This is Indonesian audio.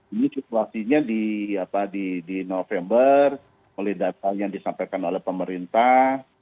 ini situasinya di november oleh data yang disampaikan oleh pemerintah